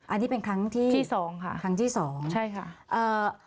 อันนี้เป็นครั้งที่๒ครั้งที่๒ใช่ค่ะ